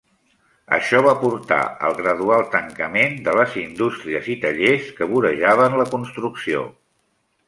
Això va portar al gradual tancament de les indústries i tallers que vorejaven la construcció.